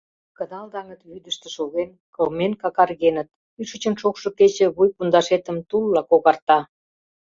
Кыдал даҥыт вӱдыштӧ шоген, кылмен какаргеныт, кӱшычын шокшо кече вуй пундашетым тулла когарта.